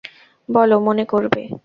বলো, মনে করবে?